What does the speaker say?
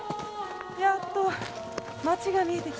やっと街が見えてきた。